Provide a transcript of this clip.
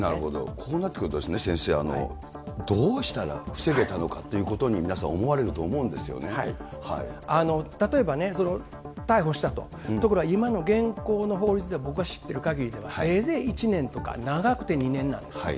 こうなってくると先生、どうしたら防げたのかっていうことに、皆さん、思われると思うん例えばね、逮捕したと、ところが今の現行の法律では、僕が知ってるかぎりでは、せいぜい１年とか、長くて２年なんですよ。